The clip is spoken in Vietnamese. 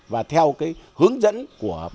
và theo hướng dẫn của bác sĩ